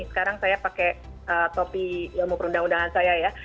sekarang saya pakai topi ilmu perundang undangan saya ya